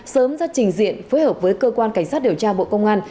sớm ra trình diện phối hợp với cơ quan cảnh sát điều tra bộ công an